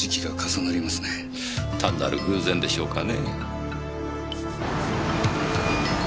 単なる偶然でしょうかねぇ。